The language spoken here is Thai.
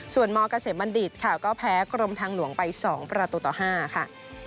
ส่วนมเกษมบัณฑิตค่ะก็แพ้กรมทางหลวงไป๒ประตูต่อ๕ค่ะ